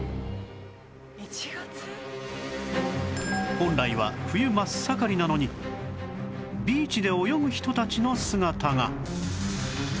本来は冬真っ盛りなのにビーチで泳ぐ人たちの姿が